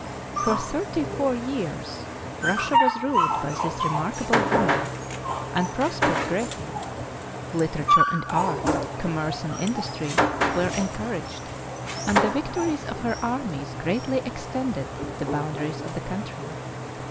For thirty four years Russia was ruled by this remarkable woman, and prospered greatly. Literature and art, commerce and industry were encouraged, and the victories of her armies greatly extended the boundaries of the country.